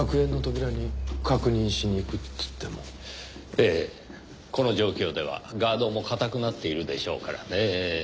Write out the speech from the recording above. ええこの状況ではガードも固くなっているでしょうからねぇ。